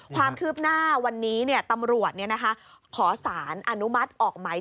ความคืบหน้าวันนี้ตำรวจขอสารอนุมัติออกไหม